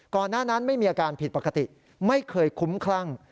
หน้านั้นไม่มีอาการผิดปกติไม่เคยคุ้มคลั่ง